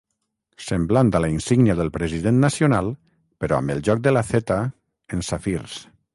Semblant a la insígnia del president nacional, però amb el joc de la theta en safirs.